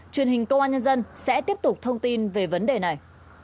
truyền hình công an nhân dân sẽ tiếp tục thông tin về vấn đề này